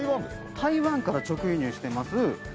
台湾から直輸入してます